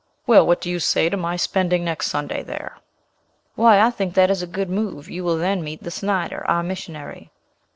"Well, what do you say to my spending next Sunday there?" "Why, I think that a good move; you will then meet with Snyder, our missionary."